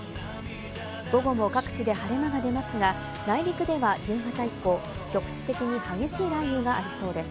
午後も各地で晴れ間が出ますが、内陸では夕方以降、局地的に激しい雷雨がありそうです。